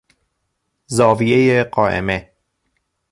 زاویهی قائمه